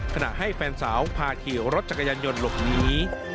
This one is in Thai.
ขณะให้แฟนสาวพาขี่รถจักรยานยนต์หลบหนี